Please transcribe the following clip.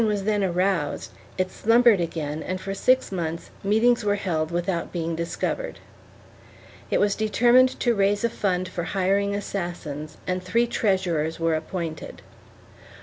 V] ASSASSINATION OF ARBUES 251 then aroused, it slumbered again and for six months meetings were held without being discovered. It was determined to raise a fund for hiring assassins and three treasurers were appointed.